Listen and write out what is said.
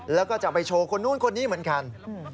แล้วก็จะไปโชว์คนนู้นคนนี้เหมือนกัน